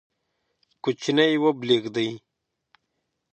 کوچنی یې وبلېږدی،